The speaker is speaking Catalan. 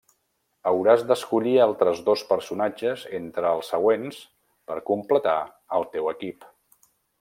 Hauràs d'escollir altres dos personatges entre els següents per completar el teu equip.